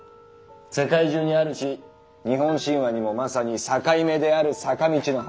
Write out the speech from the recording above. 世界中にあるし日本神話にもまさに「境目」である「坂道」の話もあるしな。